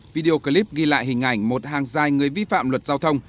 video clip ghi lại hình ảnh một hàng dài người vi phạm luật giao thông